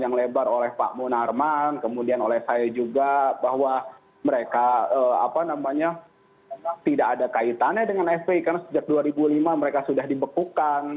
yang lebar oleh pak munarman kemudian oleh saya juga bahwa mereka apa namanya memang tidak ada kaitannya dengan fpi karena sejak dua ribu lima mereka sudah dibekukan